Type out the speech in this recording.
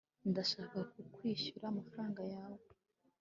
ndashaka kukwishura amafaranga yawe